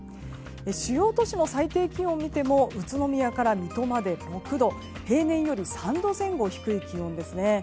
主要都市の最低気温を見ても宇都宮から水戸まで６度平年より３度前後低い気温ですね。